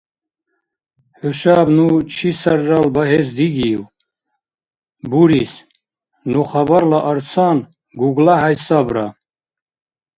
ХӀушаб ну чи саррал багьес дигив?! Бурис. Ну, хабарла арцан, ГуглахӀяй сабра.